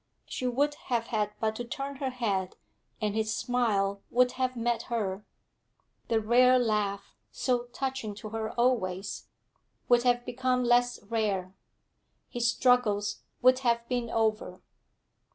She would have had but to turn her head, and his smile would have met her; the rare laugh, so touching to her always, would have become less rare; his struggles would have been over.